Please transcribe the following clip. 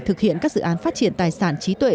thực hiện các dự án phát triển tài sản trí tuệ